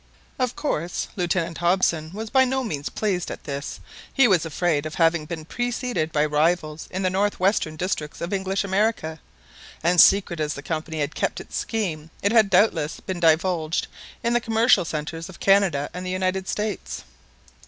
Of course Lieutenant Hobson was by no means pleased at this he was afraid of having been preceded by rivals in the north western districts of English America; and secret as the Company had kept its scheme, it had doubtless been divulged in the commercial centres of Canada and the United States.